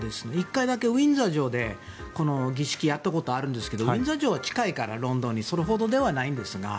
１回だけウィンザー城でこの儀式をやったことがあるんですがウィンザー城はロンドンに近いからそれほどではないんですが。